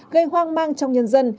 gây hoang mang trong nhân dân